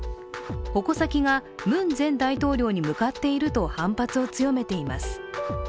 矛先がムン前大統領に向かっていると反発を強めています。